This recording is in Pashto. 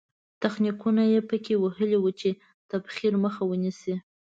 تخنیکونه یې په کې وهلي وو چې تبخیر مخه ونیسي.